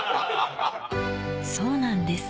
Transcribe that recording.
そうなんです！